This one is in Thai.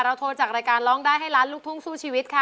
โทรจากรายการร้องได้ให้ล้านลูกทุ่งสู้ชีวิตค่ะ